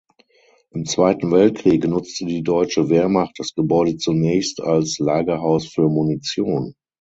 Im Zweiten Weltkrieg nutzte die deutsche Wehrmacht das Gebäude zunächst als Lagerhaus für Munition.